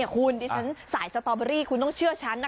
คุณดิฉันสายสตอเบอรี่คุณต้องเชื่อฉันนะ